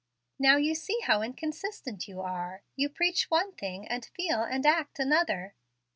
"Now you see how inconsistent you are. You preach one thing, and feel and act another."